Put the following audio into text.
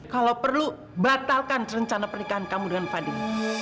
kalau perlu batalkan rencana pernikahan kamu dengan fadil